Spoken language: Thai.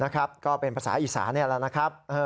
ก็เป็นภาษาอีกษาแน่นอนนะครับ